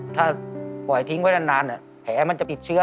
ถ้าปล่อยทิ้งไว้นานแผลมันจะติดเชื้อ